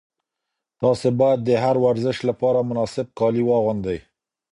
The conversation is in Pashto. تاسي باید د هر ورزش لپاره مناسب کالي واغوندئ.